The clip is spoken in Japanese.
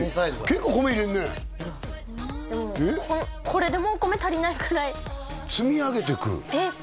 結構米入れるねでもこれでもお米足りないくらい積み上げていくえっ